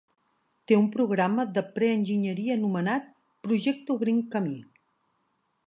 Té un programa de pre-enginyeria anomenat "Projecte obrint camí".